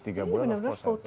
tiga bulan of course satu